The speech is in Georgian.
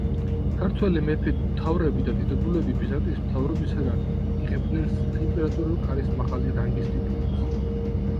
ქართველი მეფე-მთავრები და დიდებულები ბიზანტიის მთავრობისაგან იღებდნენ საიმპერიო კარის მაღალი რანგის ტიტულებს.